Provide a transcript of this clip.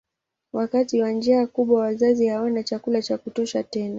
Wakati wa njaa kubwa wazazi hawana chakula cha kutosha tena.